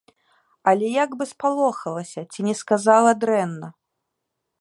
Але як бы спалохалася, ці не сказала дрэнна.